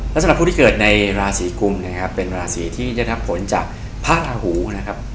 และสำหรับผู้ที่เกิดในราศีกุมนะครับเป็นราศีที่ได้รับผลจากพระราหูนะครับ